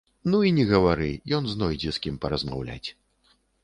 Ну і не гавары, ён знойдзе, з кім паразмаўляць.